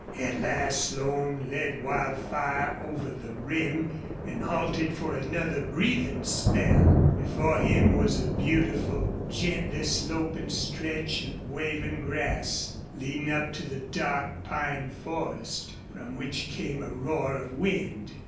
At last Slone led Wildfire over the rim and halted for another breathing spell. Before him was a beautiful, gently sloping stretch of waving grass leading up to the dark pine forest from which came a roar of wind.